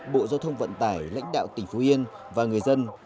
bộ giao thông vận tải lãnh đạo tỉnh phú yên và người dân